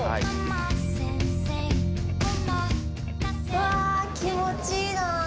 うわ気持ちいいなここ。